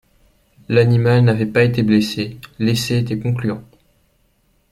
L'animal n'avait pas été blessé, l'essai était concluant.